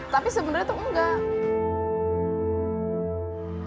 tapi sebenarnya itu enggak